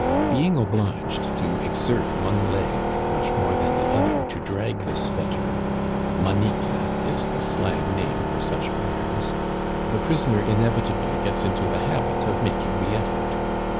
Being obliged to exert one leg much more than the other to drag this fetter (manicle is the slang name for such irons), the prisoner inevitably gets into the habit of making the effort.